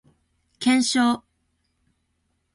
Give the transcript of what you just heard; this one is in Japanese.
検証